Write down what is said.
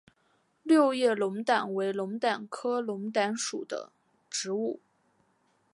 六叶龙胆为龙胆科龙胆属的植物。